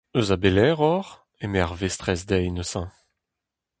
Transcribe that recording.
Eus a belec'h oc'h ? eme ar vestrez dezhi neuze.